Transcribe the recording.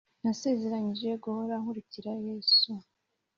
Nasezeranyije guhora ngukurikira yesu